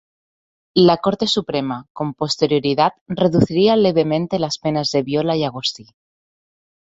La Corte Suprema con posterioridad reduciría levemente las penas de Viola y Agosti.